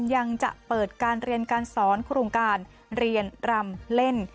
ยังจะเปิดการเรียนการสอนโครงการเรียนรำเล่น